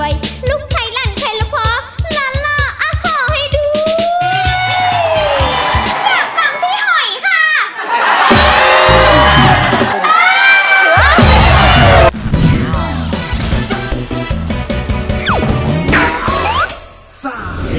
อยากฟังพี่หอยค่ะ